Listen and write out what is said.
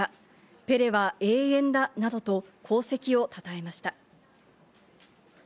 ペレは永遠だなどと功績をたたえました。